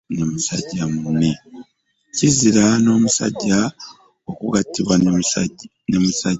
Kizira n'omusajja okugattibwa ne musajja munne .